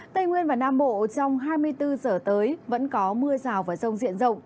tây nguyên và nam bộ trong hai mươi bốn giờ tới vẫn có mưa rào và rông diện rộng